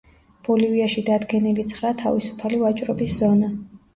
ბოლივიაში დადგენილი ცხრა თავისუფალი ვაჭრობის ზონა.